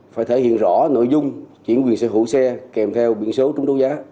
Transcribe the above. phải thể hiện rõ nội dung chuyển quyền sở hữu xe kèm theo biển số trúng đấu giá